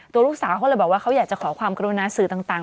ตัวลูกสาวเขาเลยบอกว่าเขาอยากจะขอความกรุณาสื่อต่าง